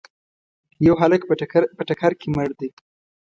یو هلک په ټکر کي مړ دی.